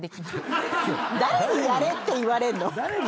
誰に「やれ」って言われんの？